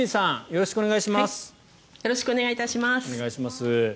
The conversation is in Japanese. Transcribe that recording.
よろしくお願いします。